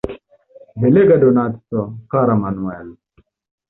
Belega donaco, kara Manuel!